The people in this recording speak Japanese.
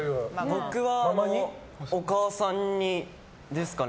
僕は、お母さん似ですかね。